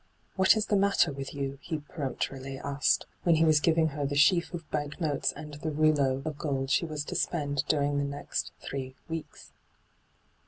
' What is the matter with you V he peremptorily asked, when he was giving her the sheaf of bank notes and the rouleaux of gold she was to spend during the next three weeks.